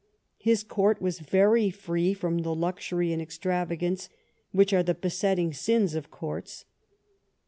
His court was very free from the luxury and extravagance which are the besetting sins of courts.